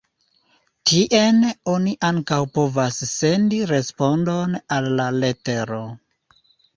Tien oni ankaŭ povas sendi respondon al la letero.